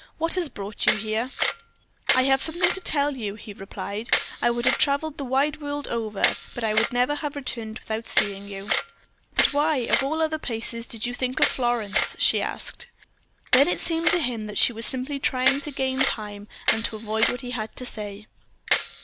What has brought you here?" "I have something to tell you," he replied. "I would have traveled the wide world over, but I would never have returned without seeing you." "But why, of all other places, did you think of Florence?" she asked. Then it seemed to him that she was simply trying to gain time, and to avoid what he had to say.